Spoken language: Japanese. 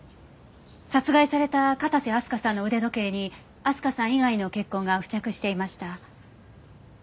殺害された片瀬明日香さんの腕時計に明日香さん以外の血痕が付着していました。